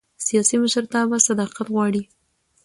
سیاسي مشرتابه صداقت غواړي